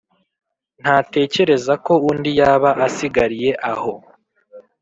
ntatekereza ko undi yaba asigariye aho.